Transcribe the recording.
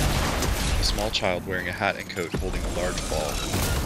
A small child wearing a hat and coat holding a large ball.